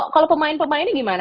kalau pemain pemainnya gimana